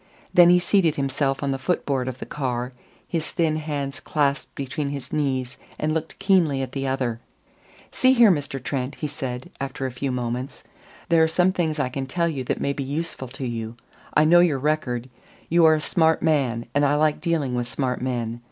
Then he seated himself on the foot board of the car, his thin hands clasped between his knees, and looked keenly at the other. "See here, Mr. Trent," he said after a few moments. "There are some things I can tell you that may be useful to you. I know your record. You are a smart man, and I like dealing with smart men.